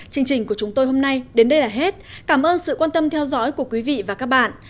chương trình của chúng tôi hôm nay đến đây là hết cảm ơn sự quan tâm theo dõi của quý vị và các bạn